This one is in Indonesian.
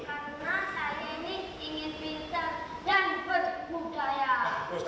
karena massa ini ingin bisa dan berbudaya